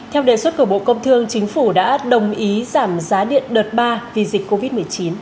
theo đề xuất của bộ công thương chính phủ đã đồng ý giảm giá điện đợt ba vì dịch covid một mươi chín